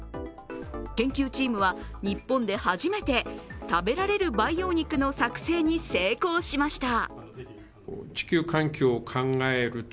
研究チームは日本で初めて食べられる培養肉の作製に成功しました。